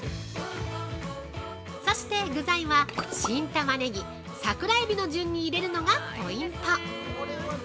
◆そして具材は新タマネギ、桜えびの順に入れるのがポイント。